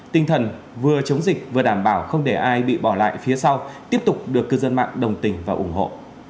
tinh thần vừa chống dịch vừa đảm bảo không để ai bị bỏ lại phía sau tiếp tục được cư dân mạng đồng tình và ủng hộ